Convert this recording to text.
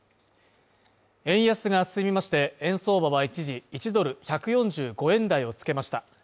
円安が進みまして円相場は一時１ドル＝１４５円台をつけました。